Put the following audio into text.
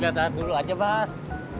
lihat lihat dulu aja bas